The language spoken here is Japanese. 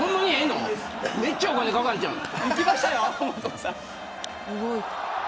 めっちゃお金かかるんちゃうの。